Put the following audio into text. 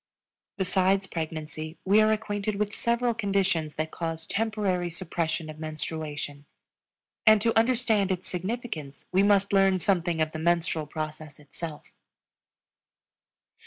Besides pregnancy we are acquainted with several conditions that cause temporary suppression of menstruation; and to understand its significance we must learn something of the menstrual process itself.